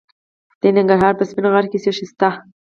د ننګرهار په سپین غر کې څه شی شته؟